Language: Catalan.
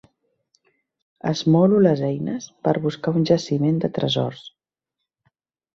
Esmolo les eines per buscar un jaciment de tresors.